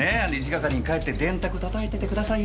１係に帰って電卓叩いててくださいよ。